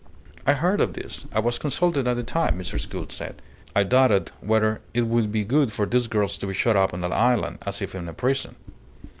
"I heard of this. I was consulted at the time," Mrs. Gould said. "I doubted whether it would be good for these girls to be shut up on that island as if in a prison."